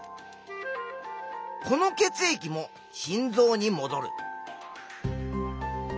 この血液も心臓にもどる。